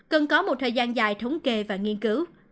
cần có một thời gian dài thống kê và nghiên cứu